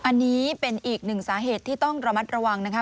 อันนี้เป็นอีกหนึ่งสาเหตุที่ต้องระมัดระวังนะคะ